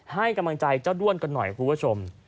ให้กำลังใจเจ้าด้วนกันหน่อยคุณผู้ชม